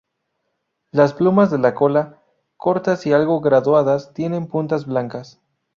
Las plumas de la cola, cortas y algo graduadas tienen puntas blancas.